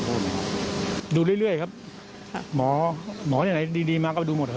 เขาบอกว่าอย่างไรครับ